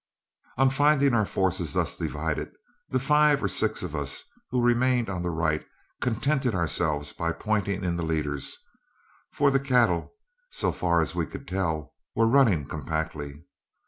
On finding our forces thus divided, the five or six of us who remained on the right contented ourselves by pointing in the leaders, for the cattle, so far as we could tell, were running compactly.